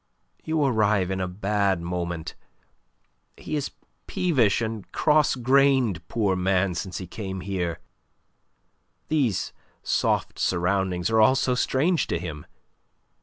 You arrive in a bad moment. He is peevish and cross grained, poor man, since he came here. These soft surroundings are all so strange to him.